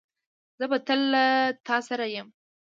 زه به تل له تاسره یم